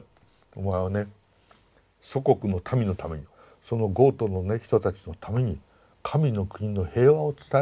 お前はね祖国の民のためにそのゴートのね人たちのために神の国の平和を伝えろと。